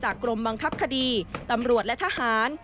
กรมบังคับคดีตำรวจและทหาร